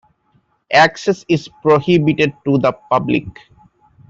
Access is prohibited to the public.